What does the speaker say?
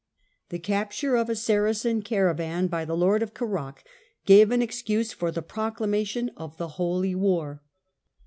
The capture of a Saracen caravan by the lord of Kerak gave an excuse for the proclamation of tlie Holy War.